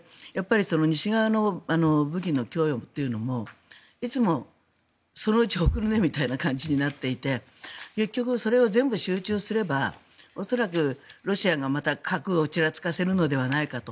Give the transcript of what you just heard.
西側の武器の供与というのもいつも、そのうち送るねみたいな感じになっていて結局それを全部集中すれば恐らく、ロシアがまた核をちらつかせるのではないかと。